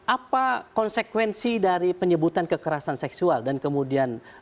apa konsekuensi dari penyebutan kekerasan seksual dan kemudian